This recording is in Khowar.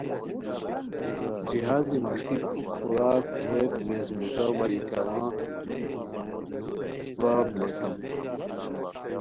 جہازی مݰکی پُھوک خوراکہ تھوویک ویزموکہ وا ای کما اسپاب لیتام